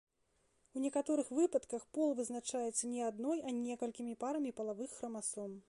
У некаторых выпадках пол вызначаецца не адной, а некалькімі парамі палавых храмасом.